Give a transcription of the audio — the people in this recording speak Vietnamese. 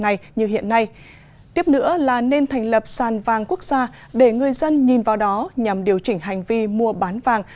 ngày như hiện nay tiếp nữa là nên thành lập sàn vàng quốc gia để người dân nhìn vào đó nhằm điều chỉnh hành vi mua bán vàng